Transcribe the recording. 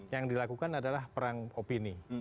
yang dilakukan adalah perang opini